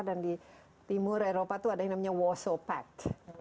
dan di timur eropa itu ada yang namanya warsaw pact